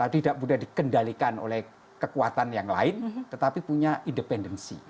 tidak mudah dikendalikan oleh kekuatan yang lain tetapi punya independensi